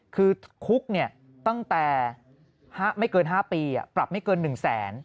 คือคุกตั้งแต่ไม่เกิน๕ปีปรับไม่เกิน๑แสน